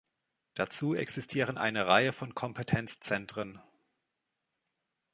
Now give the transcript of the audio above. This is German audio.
Dazu existieren eine Reihe von Kompetenzzentren.